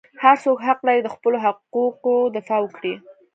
هر څوک حق لري د خپلو حقوقو دفاع وکړي.